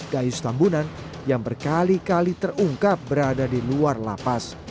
gayus tambunan yang berkali kali terungkap berada di luar lapas